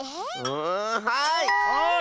うんはい！